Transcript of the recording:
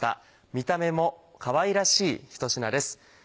見た目もかわいらしい一品です。